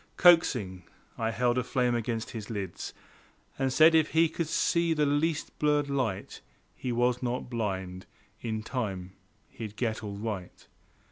Coaxing, I held a flame against his lids And said if he could see the least blurred light He was not blind; in time he'd get all right.